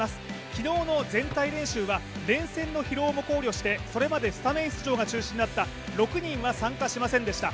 昨日の全体練習は連戦の疲労も考慮してそれまでスタメン出場が中心だった６人は参加しませんでした。